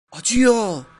Acıyor!